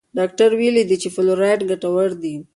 ډاکټر ویلي دي چې فلورایډ ګټور دی.